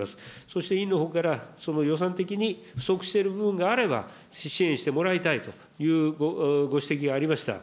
そして委員のほうから予算的に不足している分があれば、支援してもらいたいというご指摘がありました。